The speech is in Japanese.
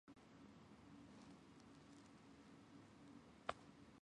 北海道西興部村